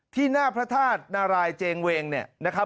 ที่หน้าพระธาตุนารายเจงเวงนะครับ